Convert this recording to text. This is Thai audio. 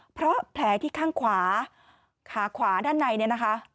เพราะแผลที่ข้างขวาขาขวาด้านในเนี่ยนะคะ